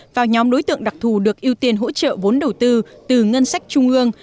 vào nhóm đối tượng đặc thù được ưu tiên hỗ trợ vốn đầu tư từ ngân sách trung ương